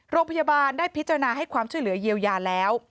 โรงพยาบาลได้พิจารณาให้ความช่วยเหลือเยียวยาแล้ว